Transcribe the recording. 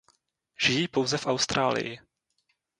Žijí pouze v Austrálii.